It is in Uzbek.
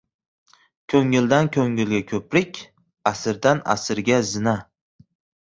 Ko‘ngildan ko‘ngilga ko‘prik, asrdan asrga zina.